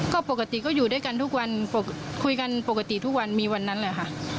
ก็ปกติก็อยู่ด้วยกันทุกวันคุยกันปกติทุกวันมีวันนั้นแหละค่ะ